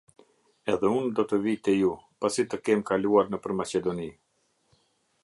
Edhe unë do të vij te ju, pasi të kem kaluar nëpër Maqedoni.